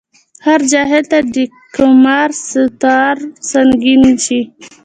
هر جاهل ته دټګمار دستار سنګين شي